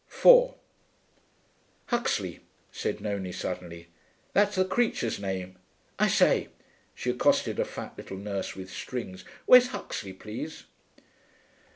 4 'Huxley,' said Nonie suddenly. 'That's the creature's name.... I say,' she accosted a fat little nurse with strings, 'where's Huxley, please?'